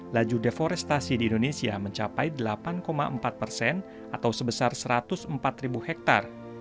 laju deforestasi di indonesia mencapai delapan empat persen atau sebesar satu ratus empat ribu hektare